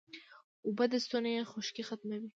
اوبه د ستوني خشکي ختموي